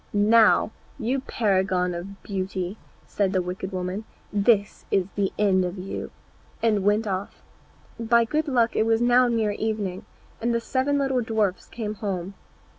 "Now, you paragon of beauty," said the wicked woman, "this is the end of you," and went off. By good luck it was now near evening, and the seven little dwarfs came home.